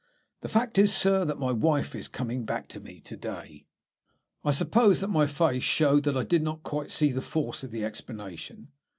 "The fact is, sir, that my wife is coming back to me to day." I suppose that my face showed that I did not quite see the force of the explanation.